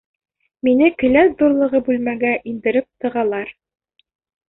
Мине келәт ҙурлығы бүлмәгә индереп тығалар!